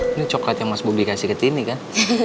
ini coklat yang mas bubi kasih ke tini kan